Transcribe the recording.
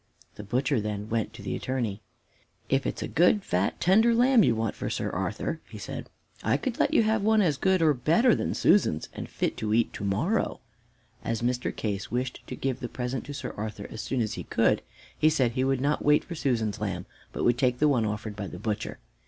The butcher then went to the Attorney. "If it's a good, fat, tender lamb you want for Sir Arthur," he said, "I could let you have one as good or better than Susan's and fit to eat to morrow." As Mr. Case wished to give the present to Sir Arthur as soon as he could, he said he would not wait for Susan's lamb, but would take the one offered by the butcher.